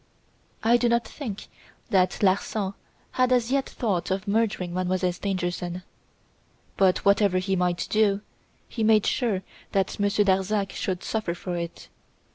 "I do not think that Larsan had as yet thought of murdering Mademoiselle Stangerson; but whatever he might do, he made sure that Monsieur Darzac should suffer for it.